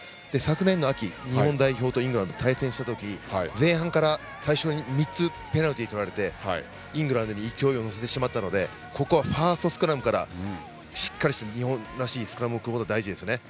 昨年の秋、日本とイングランド対戦したとき、前半から３つペナルティとられてイングランドを勢いを乗せてしまったのでファーストスクラムから日本らしいスクラムを組むことが大事ですね。